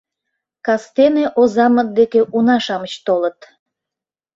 Кастене озамыт деке уна-шамыч толыт.